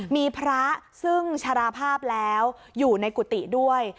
มีพระซึ่งชราภาพแล้วอยู่ในกุฏิด้วย